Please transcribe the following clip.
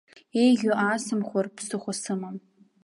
Еиӷьу аасымхәар ԥсыхәа сымам.